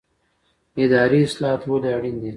اداري اصلاحات ولې اړین دي؟